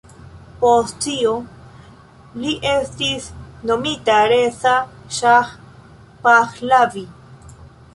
Post tio li estis nomita Reza Ŝah Pahlavi.